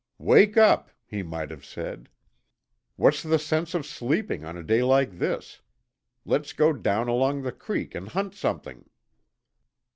"Wake up!" he might have said. "What's the sense of sleeping on a day like this? Let's go down along the creek and hunt something."